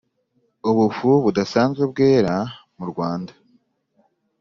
Ubufu budasanzwe bwera mu rwanda